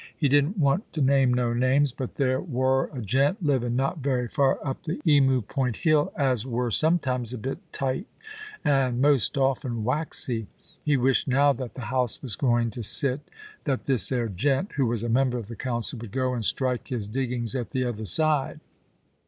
... He didn't want to name no names, but there wur a gent living not very far up the Emu Point hill, as wur sometimes a bit tight, and most often waxy. He wished now that the House was going to sit, that this 'ere gent, who was a member of the Council, would go and strike his diggings at the other side.